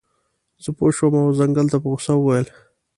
زه پوه شم او ځنګل ته په غوسه وویل.